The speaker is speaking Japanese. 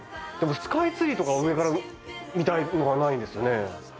でもスカイツリーとか上から見たいのがないんですよね。